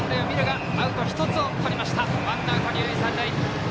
アウト１つをとってワンアウト二塁三塁。